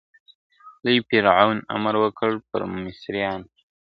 لوی فرعون امر وکړ پر مصریانو ..